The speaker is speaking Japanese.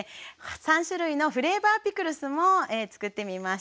３種類のフレーバーピクルスもつくってみました。